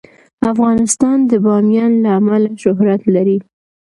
افغانستان د بامیان له امله شهرت لري.